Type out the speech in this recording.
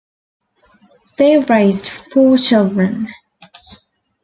They raised four children.